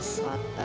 た